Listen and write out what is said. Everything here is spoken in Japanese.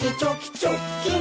「チョッキン！」